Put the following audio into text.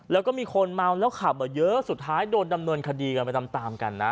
แล้วก็มีคนเมาแล้วขับเยอะสุดท้ายโดนดำเนินคดีกันไปตามกันนะ